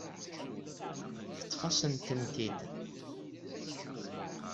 Teṭṭef-asen-tent-id.